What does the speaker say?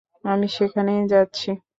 আমি সেখানেই যাচ্ছি।